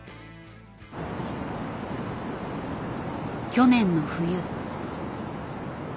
去年の冬。